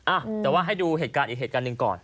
อ่ะแต่ว่าให้ดูเหตุการณ์อีกเหตุการณ์หนึ่งก่อน